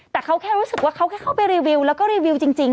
แต่เขาแค่รู้สึกว่าเขาแค่เข้าไปรีวิวแล้วก็รีวิวจริง